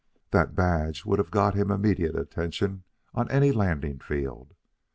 That badge would have got him immediate attention on any landing field.